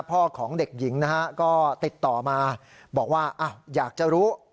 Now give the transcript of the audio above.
พ่อของเด็กหญิงนะฮะก็ติดต่อมาบอกว่าอ้าวอยากจะรู้